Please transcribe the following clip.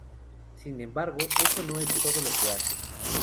Sin embargo, eso no es todo lo que hace.